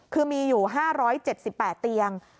คือมีอยู่๕๗๘เตียง